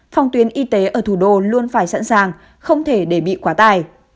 phòng tuyến y tế ở thủ đô luôn phải sẵn sàng không thể để bị quá tài